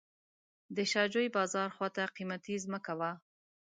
د شاه جوی بازار خواته قیمتي ځمکه وه.